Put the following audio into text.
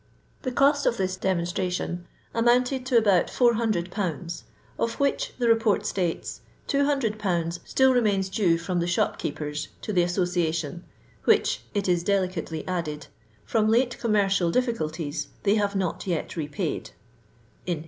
The cost of this demonstration amounted to about 4002., of which, the lleport states, " 200/. still remains due from the shop keepers to the Association; which, it is delicately added, ''from late commercial difficulties they have not yet repaid" (in 1860).